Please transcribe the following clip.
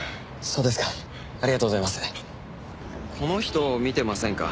そうですか。